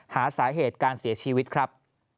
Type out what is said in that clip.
หาสาเหตุการเสียชีวิตครับ